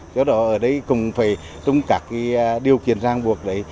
do đó ở đây cũng phải chung các điều kiện ràng buộc đấy